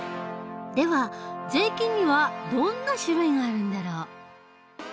では税金にはどんな種類があるんだろう？